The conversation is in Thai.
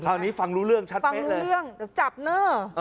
เท่านี้ฟังรู้เรื่องชัดเมตรเนี่ยฟังรู้เรื่องเจ็บนะ